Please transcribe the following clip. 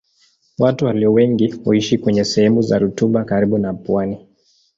Watu walio wengi huishi kwenye sehemu za rutuba karibu na pwani.